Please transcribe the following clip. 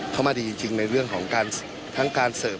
เขามาดีจริงในเรื่องของการเสิร์ฟ